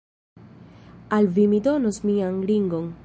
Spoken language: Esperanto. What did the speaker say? Al vi mi donos mian ringon.